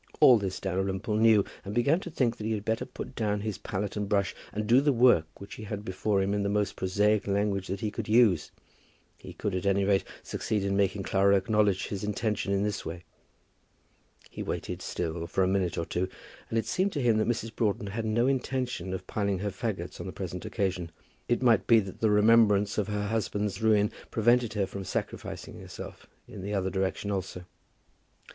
All this Dalrymple knew, and began to think that he had better put down his palette and brush, and do the work which he had before him in the most prosaic language that he could use. He could, at any rate, succeed in making Clara acknowledge his intention in this way. He waited still for a minute or two, and it seemed to him that Mrs. Broughton had no intention of piling her fagots on the present occasion. It might be that the remembrance of her husband's ruin prevented her from sacrificing herself in the other direction also.